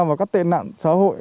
vào các tệ nạn xã hội